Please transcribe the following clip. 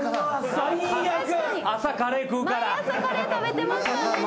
毎朝カレー食べてましたね。